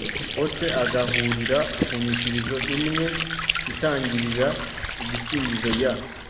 ose agahurira ku nyikirizo imwe itangirira igisingizo ya